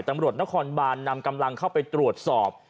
ตำรวจนครบานนำกำลังเข้าไปตรวจสอบ